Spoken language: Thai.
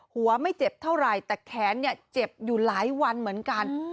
หัวไม่เจ็บเท่าไหร่แต่แขนเนี่ยเจ็บอยู่หลายวันเหมือนกัน